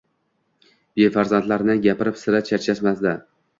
Befarzandlarni gapirib sira charchamasdi.